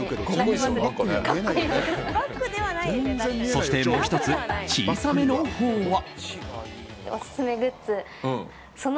そしてもう１つ小さめのほうは。